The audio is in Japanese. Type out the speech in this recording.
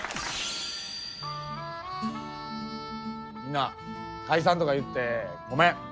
みんな解散とか言ってごめん。